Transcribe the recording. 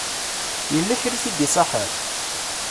Yella kra i t-id-iṣaḥen?